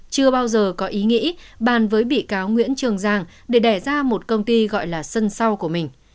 chưa bao giờ có ý nghĩa bàn với bị cáo nguyễn trường giang để đẻ ra một công ty gọi là sân sau của mình